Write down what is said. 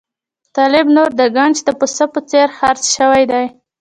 طالب نور د ګنج د پسه په څېر خرڅ شوی دی.